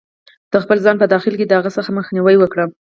-د خپل ځان په داخل کې د هغه څه مخنیوی وکړئ